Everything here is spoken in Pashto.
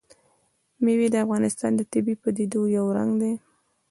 مېوې د افغانستان د طبیعي پدیدو یو رنګ دی.